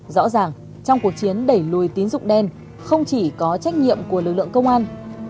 rõ ràng trong cuộc chiến đẩy lùi tín dụng đen không chỉ có trách nhiệm của lực lượng công an